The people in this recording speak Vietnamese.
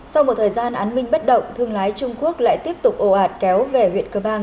sau một thời gian án minh bất động thương lái trung quốc lại tiếp tục ồ ạt kéo về huyện cơ bang